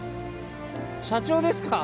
社長ですか？